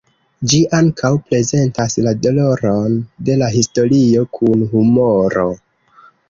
Ĝi ankaŭ prezentas la doloron de la historio kun humoro.